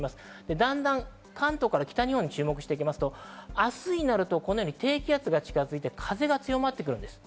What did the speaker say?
だんだん関東から注目していきますと、明日になると低気圧が近づいて風が強まってきます。